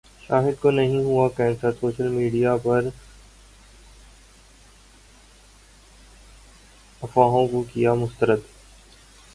شاہد کونہیں ہوا ہے کینسر، سوشل میڈیا پرافواہوں کو کیا مسترد